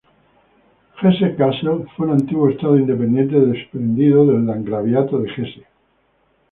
Hesse-Kassel fue un antiguo Estado independiente desprendido del Landgraviato de Hesse.